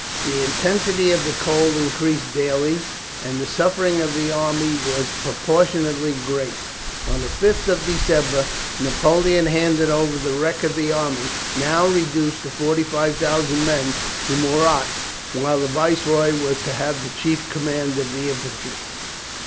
The intensity of the cold increased daily, and the sufferings of the army were proportionately great. On the 5th of December Napoleon handed over the wreck of the army, now reduced to 45,000 men, to Murat; while the Viceroy was to have the chief command of the infantry.